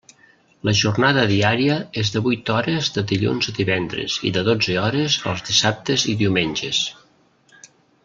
La jornada diària és de vuit hores de dilluns a divendres i de dotze hores els dissabtes i diumenges.